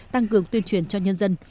tăng cường tuyên truyền cho nhân dân